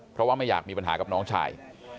เพราะว่าไม่อยากมีปัญหากับน้องชาย